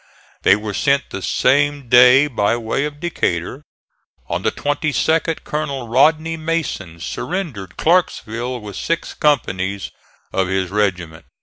They were sent the same day by way of Decatur. On the 22d Colonel Rodney Mason surrendered Clarksville with six companies of his regiment.